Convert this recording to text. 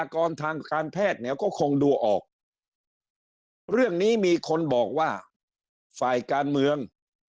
กรทางการแพทย์เนี่ยก็คงดูออกเรื่องนี้มีคนบอกว่าฝ่ายการเมือง